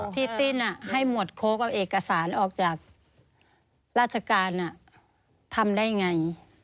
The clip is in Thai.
ติ้นให้หมวดโค้กเอาเอกสารออกจากราชการทำได้ไง